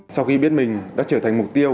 sau khi biết mình đã trở thành mục tiêu